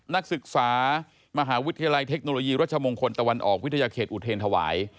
นักศึกษามหาวิทยาลัยเทคโนโลยีรัชมงคลตะวันออกวิทยาเขตอุเทรนธวาย